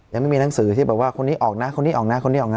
ยังไม่มีหนังสือที่บอกว่าคนนี้ออกนะคนนี้ออกนะคนนี้ออกนะ